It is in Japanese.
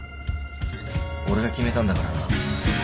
俺が決めたんだからな。